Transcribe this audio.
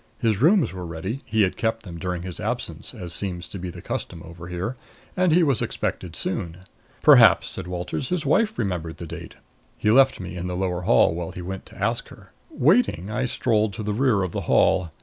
His rooms were ready he had kept them during his absence, as seems to be the custom over here and he was expected soon. Perhaps said Walters his wife remembered the date. He left me in the lower hall while he went to ask her. Waiting, I strolled to the rear of the hall.